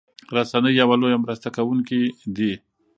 رسنۍ يو لويه مرسته کوونکي دي